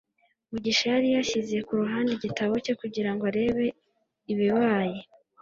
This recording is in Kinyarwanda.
Mugisha yari yashyize ku ruhande igitabo cye kugira ngo arebe ibibaye